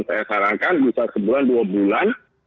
saya sarankan bisa sebulan dua bulan